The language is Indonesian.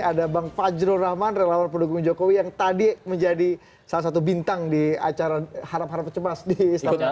ada bang fajrul rahman relawan pendukung jokowi yang tadi menjadi salah satu bintang di acara harap harap cemas di istana negara